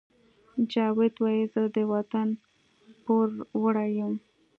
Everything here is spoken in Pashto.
جاوید وایی زه د وطن پوروړی یم